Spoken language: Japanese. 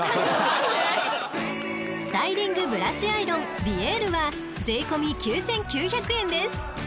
［スタイリングブラシアイロンヴィエールは税込み９，９００円です］